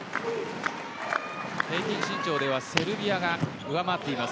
平均身長ではセルビアが上回っています。